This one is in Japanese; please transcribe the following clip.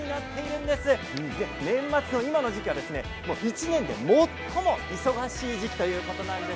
年末の今の時期は１年で最も忙しい時期ということなんです。